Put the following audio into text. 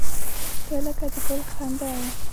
• ته لکه د ګل خندا یې.